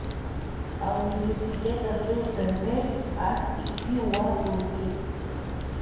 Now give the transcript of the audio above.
Ауниверситет аҿы даннеи Астикгьы уа дылбеит.